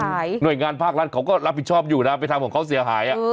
หน่วยงานภาครัฐเขาก็รับผิดชอบอยู่นะไปทำของเขาเสียหาย